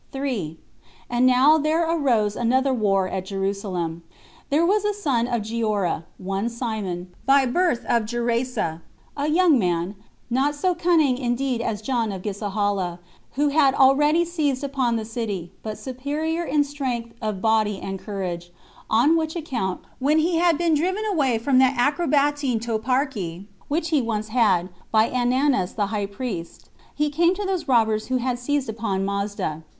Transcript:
3. And now there arose another war at Jerusalem. There was a son of Giora, one Simon, by birth of Gerasa, a young man, not so cunning indeed as John [of Gisehala], who had already seized upon the city, but superior in strength of body and courage; on which account, when he had been driven away from that Acrabattene toparchy, which he once had, by Ananus the high priest, he came to those robbers who had seized upon Masada.